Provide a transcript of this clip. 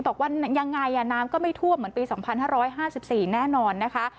บอกว่ายังไงน้ำก็ไม่ท่วมเหมือนปี๒๕๕๔แน่นอนนะคะ